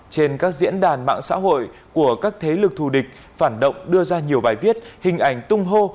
trên các diễn đàn mạng xã hội của các thế lực thù địch phản động đưa ra nhiều bài viết hình ảnh tung hô